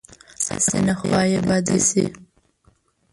هسې نه خوا یې بده شي.